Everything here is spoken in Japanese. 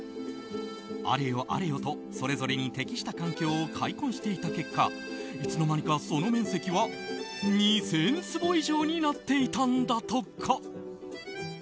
あれよあれよとそれぞれに適した環境を開墾していった結果いつの間にかその面積は２０００坪以上になっていたんだとか。